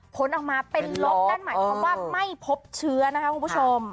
พ้นออกมาเป็นลบด้านใหม่เพราะว่าไม่พบเชื้อนะคะคุณผู้ชม